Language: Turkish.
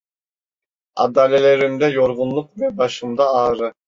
Adalelerimde yorgunluk ve başımda ağrı…